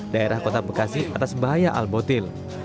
daerah kota bekasi atas bahaya al botil